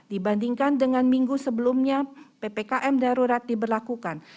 dibandingkan dengan minggu sebelumnya ppkm darurat diberlakukan